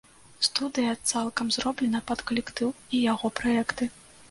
Студыя цалкам зроблена пад калектыў і яго праекты.